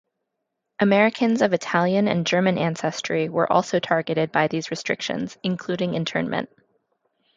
Americans of Italian and German ancestry were also targeted by these restrictions, including internment.